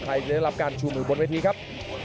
ใครจะรับการชูหมือบนวิธีครับ